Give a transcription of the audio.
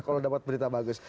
kalau dapat berita bagus